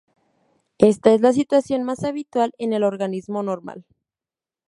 Esta es la situación más habitual en el organismo normal.